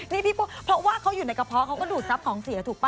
นี่พี่เพราะว่าเขาอยู่ในกระเพาะเขาก็ดูดทรัพย์ของเสียถูกป่